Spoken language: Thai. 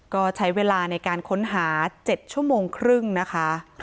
ก็ใช้เวลาในการค้นหา๗ชั่วโมงครึ่งนะคะ